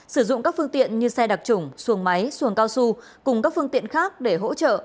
sử dụng các phương tiện như xe đặc trùng xuồng máy xuồng cao su cùng các phương tiện khác để hỗ trợ